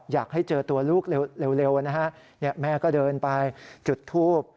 อยากให้เจอตัวลูกเร็วนะฮะแม่ก็เดินไปจุดทูบ